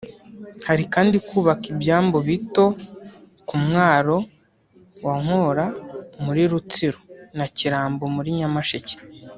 Hari kandi kubaka ibyambu bito ku mwaro wa Nkora muri Rutsiro na Kirambo muri Nyamasheke